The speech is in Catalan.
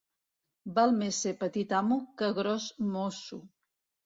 Val més ser petit amo que gros mosso.